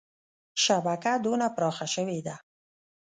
شبکه دونه پراخه شوې ده.